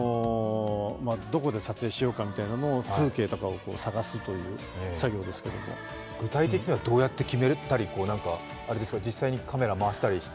どこで撮影しようかみたいなのを風景とかを探すという作業ですけど、具体的にはどうやって決めたり、実際にカメラを回したりして？